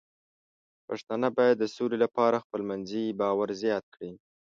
پښتانه بايد د سولې لپاره خپلمنځي باور زیات کړي.